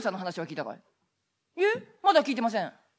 「いえまだ聞いてません」。